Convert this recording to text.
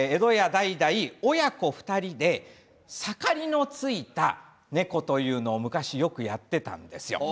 代々親子２人で盛りのついた猫というのを昔よくやっていました。